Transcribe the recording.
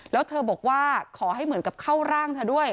แล้วเธอบอกว่าขอให้เหมือนกับเข้าร่างเธอด้วย